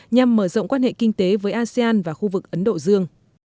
nhằm mở rộng quan hệ kinh tế với asean và khu vực ấn độ dương